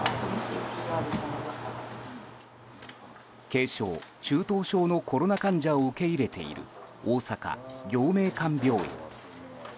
軽症・中等症のコロナ患者を受け入れている大阪暁明館病院。